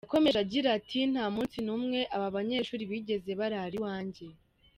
Yakomeje agira ati: “Nta munsi n’umwe aba banyeshuri bigeze barara iwanjye.